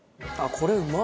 これうまっ！